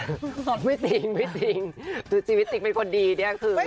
ไม่จริงชีวิตจริงเป็นคนดีเนี่ยคือ